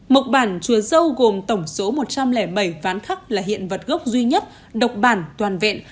mộc bản chùa dâu gồm tổng số một trăm linh bảy ván khắc là hiện vật gốc duy nhất độc bản toàn vẹn